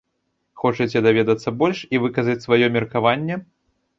Хочаце даведацца больш і выказаць сваё меркаванне?